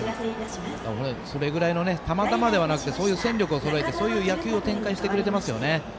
たまたまではなくて戦力をそろえてそういう野球を展開してくれてますよね。